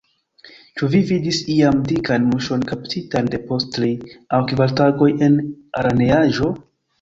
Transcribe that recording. Ĉu vi vidis iam dikan muŝon kaptitan depost tri aŭ kvar tagoj en araneaĵo?